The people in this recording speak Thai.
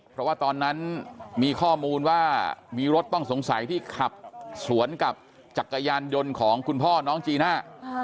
เพราะว่าตอนนั้นมีข้อมูลว่ามีรถต้องสงสัยที่ขับสวนกับจักรยานยนต์ของคุณพ่อน้องจีน่า